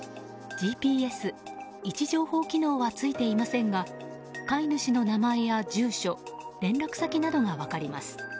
ＧＰＳ・位置情報機能はついていませんが飼い主の名前や住所連絡先などが分かります。